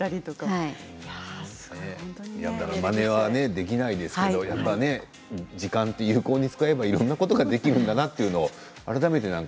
まねはできないですけど時間って有効に使えばいろんなことができるんだなと改めて。